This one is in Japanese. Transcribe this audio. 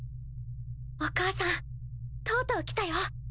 お母さんとうとう来たよ。